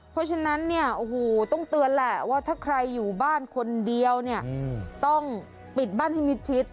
เพราะฉะนั้นเนี่ยโอ้โหต้องเตือนแหละว่าถ้าใครอยู่บ้านคนเดียวเนี่ยต้องปิดบ้านให้มิดชิด